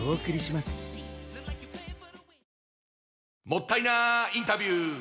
もったいなインタビュー！